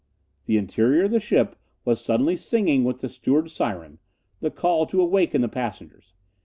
The interior of the ship was suddenly singing with the steward's siren the call to awaken the passengers.